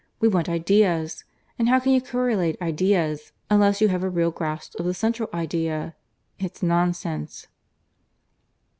We want Ideas. And how can you correlate Ideas, unless you have a real grasp of the Central Idea? It's nonsense."